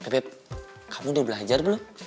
tapi kamu udah belajar belum